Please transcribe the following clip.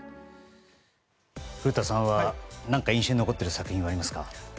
古田さんは何か印象に残っている作品ありますか。